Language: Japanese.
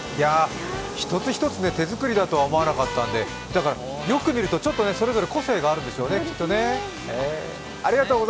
１つ１つ手作りだとは思わなかったのでよく見るとそれぞれ個性があるんですね。